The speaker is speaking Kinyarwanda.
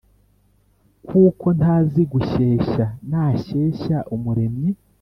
Kuko ntazi gushyeshya Nashyeshya Umuremyi